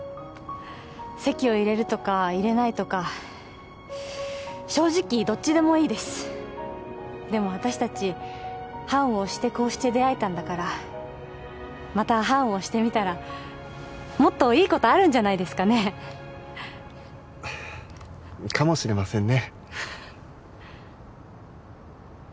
籍を入れるとか入れないとか正直どっちでもいいですでも私達判を捺してこうして出会えたんだからまた判を捺してみたらもっといいことあるんじゃないですかねかもしれませんね